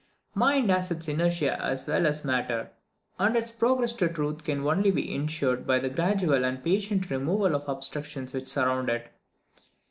Mind has its inertia as well as matter; and its progress to truth can only be insured by the gradual and patient removal of the obstructions which surround it.